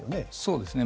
そうですね。